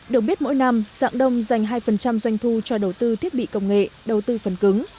được biết mỗi năm giảng đông dành hai doanh thu cho đầu tư thiết bị công nghệ đầu tư phần cứng